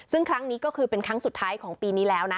ซึ่งครั้งนี้ก็คือเป็นครั้งสุดท้ายของปีนี้แล้วนะ